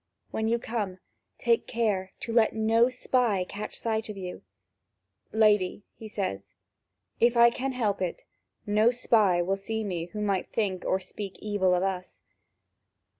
When you come, take care to let no spy catch sight of you." "Lady," says he, "if I can help it, no spy shall see me who might think or speak evil of us."